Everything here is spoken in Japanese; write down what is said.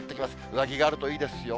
上着があるといいですよ。